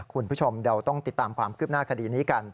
คุณผู้ชมเดี๋ยวต้องติดตามความคืบหน้าคดีนี้กัน